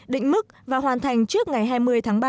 định mức và hoàn thành trước ngày hai mươi tháng ba